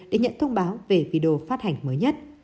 để nhận thông báo về video phát hành mới nhất